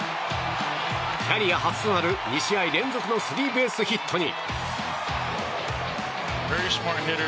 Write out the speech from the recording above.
キャリア初となる２試合連続のスリーベースヒットに。